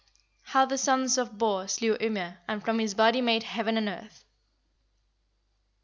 HOW THE SONS OF BOR SLEW YMIR AND FROM HIS BODY MADE HEAVEN AND EARTH. 7.